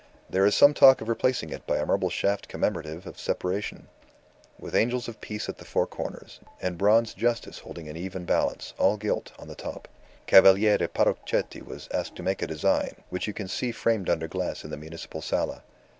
"There is some talk of replacing it by a marble shaft commemorative of Separation, with angels of peace at the four corners, and bronze Justice holding an even balance, all gilt, on the top. Cavaliere Parrochetti was asked to make a design, which you can see framed under glass in the Municipal Sala.